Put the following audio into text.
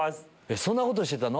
「そんなことしてたの⁉」